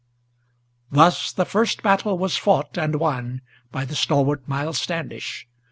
Thus the first battle was fought and won by the stalwart Miles Standish.